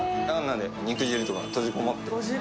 肉汁とか閉じこもっている。